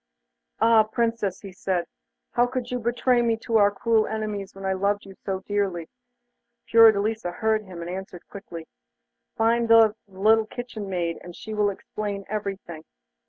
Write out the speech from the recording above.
'Ah, Princess!' he said, 'how could you betray me to our cruel enemies when I loved you so dearly?' Fiordelisa heard him, and answered quickly: 'Find out the little kitchen maid, and she will explain everything.